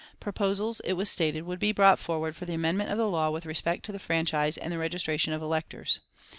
Proposals, it was stated, would be brought forward for the amendment of the law with respect to the franchise and the registration of electors.